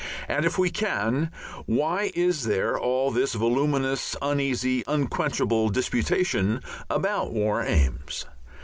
And if we can, why is there all this voluminous, uneasy, unquenchable disputation about War Aims?